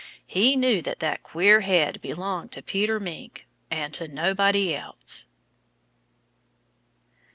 He knew that that queer head belonged to Peter Mink, and to nobody else.